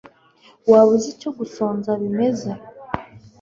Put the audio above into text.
Waba uzi icyo gusonza bimeze